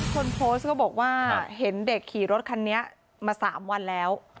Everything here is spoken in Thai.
คนโพสต์ก็บอกว่าเห็นเด็กขี่รถคันนี้มา๓วันแล้ว